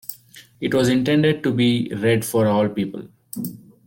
It was intended to be read for all people.